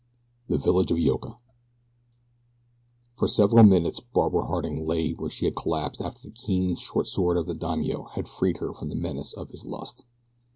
THE VILLAGE OF YOKA FOR several minutes Barbara Harding lay where she had collapsed after the keen short sword of the daimio had freed her from the menace of his lust.